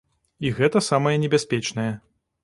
І гэта самае небяспечнае.